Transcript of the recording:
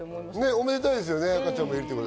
おめでたいですよね。